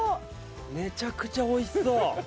めちゃくちゃおいしそう。